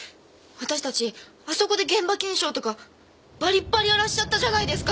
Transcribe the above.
私たちあそこで現場検証とかバリバリ荒らしちゃったじゃないですか！